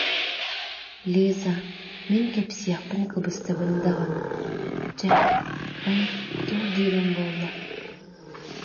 Лиза, мин кэпсиэхпин кыбыстабын даҕаны, чэ, эн, туох диириҥ буолла